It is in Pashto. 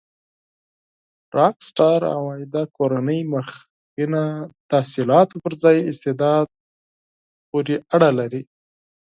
راک سټار عوایده کورنۍ مخینه تحصيلاتو پر ځای استعداد پورې اړه لري.